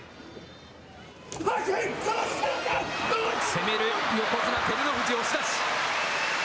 攻める横綱・照ノ富士、押し出し。